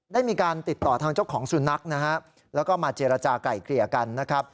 ได้มีการติดต่อทางเจ้าของสุนัขนะฮะแล้วก็มาเจรจาก่ายเกลี่ยกันนะครับ